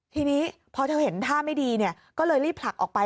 ทีนี้พอเธอเห็นท่าไม่ดีก็เลยรีบผลักออกไป